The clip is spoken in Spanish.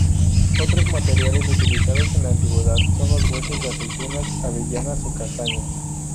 Otros materiales utilizados en la Antigüedad son los huesos de aceitunas, avellanas o castañas.